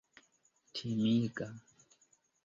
timiga